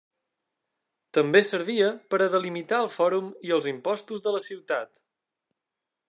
També servia per delimitar el fòrum i els impostos de la ciutat.